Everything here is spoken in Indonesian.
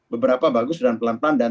beberapa bagus dan pelan pelan dan